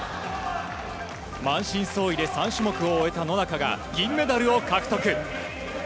満身創痍で３種目を終えた野中が銀メダルを獲得。